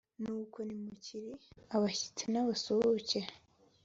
nuko ntimukiri abashyitsi n’abasuhuke